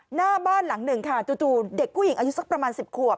หน้าบ้านหลังหนึ่งค่ะจู่เด็กผู้หญิงอายุสักประมาณ๑๐ขวบ